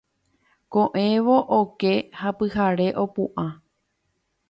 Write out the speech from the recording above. Koʼẽvo oke ha pyhare opuʼã.